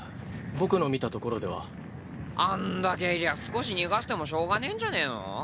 僕の見たところでは。あんだけいりゃ少し逃がしてもしょうがねぇんじゃねぇの？